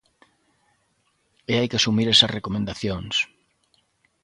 E hai que asumir esas recomendacións.